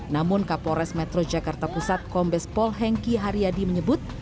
namun kapolres metro jakarta pusat kombes pol hengki haryadi menyebut